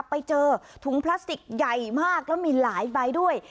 ไปเจอถุงพลาสติกใหญ่มากแล้วมีหลายใบด้วย